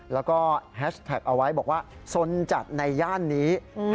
แล้วก็แฮชแท็กเอาไว้บอกว่าสนจัดในย่านนี้